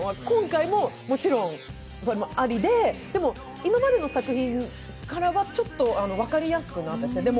今回ももちろんありで、でも今までの作品からはちょっと分かりやすくなっていて。